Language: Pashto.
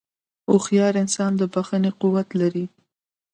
هوښیار انسان د بښنې قوت لري.